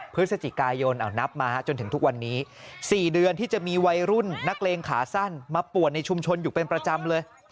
พฤศจิกายนนับมาจนถึงทุกวันนี้๔เดือนที่จะมีวัยรุ่นนักเลงขาสั้นมาป่วนในชุมชนอยู่เป็นประจำเลย